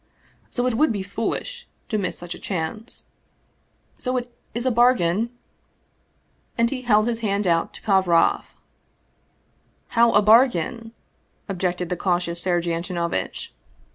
So it would be foolish to miss such a chance. So it is a bar gain ?" And he held out his hand to Kovroff. " How a bargain ?" objected the cautious Sergei An tonovitch.